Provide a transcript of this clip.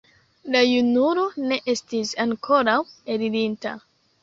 La junulo ne estis ankoraŭ elirinta.